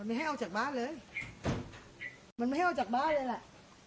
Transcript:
ไม่ให้ออกจากบ้านเลยมันไม่ให้ออกจากบ้านเลยแหละ